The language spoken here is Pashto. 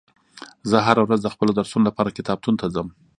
زه هره ورځ د خپلو درسونو لپاره کتابتون ته ځم